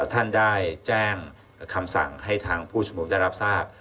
ท่านได้แจ้งคำสั่งให้ทางผู้ชุมนุมได้รับทราบ